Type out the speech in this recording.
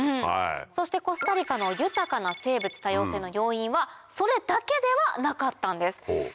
そしてコスタリカの豊かな生物多様性の要因はそれだけではなかったんです。